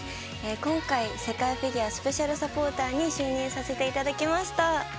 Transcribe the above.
今回、世界フィギュアスペシャルサポーターに就任させてもらいました。